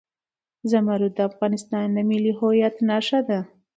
زمرد د افغانستان د ملي هویت نښه ده.